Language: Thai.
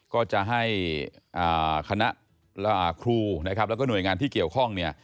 ก็จะให้คณะครูและหน่วยงานที่เกี่ยวข้อง